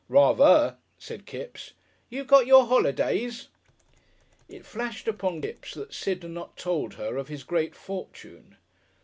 "Rather," said Kipps. "You got your holidays?" It flashed upon Kipps that Sid had not told her of his great fortune.